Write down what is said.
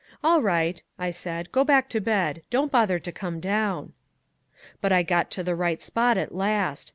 'All right,' I said, 'go back to bed. Don't bother to come down.' "But I got to the right spot at last.